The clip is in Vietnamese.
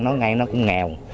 nói ngay nó cũng nghèo